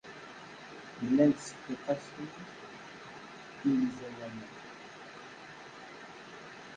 Nella nettseffiq-asen i yemẓawanen.